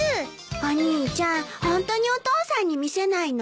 お兄ちゃんホントにお父さんに見せないの？